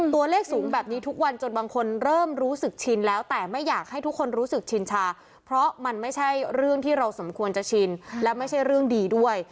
ตัวเลขสูงแบบนี้ทุกวันจนบางคนเริ่มรู้สึกชินแล้วแต่ไม่อยากให้ทุกคนรู้สึกชินชาเพราะมันไม่ใช่เรื่องที่เราสมควรจะชินและไม่ใช่เรื่องดีด้วย